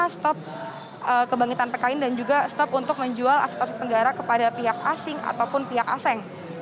stop kebangkitan pkn dan juga stop untuk menjual aset aset negara kepada pihak asing ataupun pihak asing